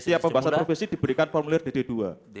setiap pembahasan provinsi diberikan formulir dd dua